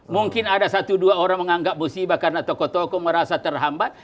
mungkin ada satu dua orang menganggap musibah karena tokoh tokoh merasa terhambat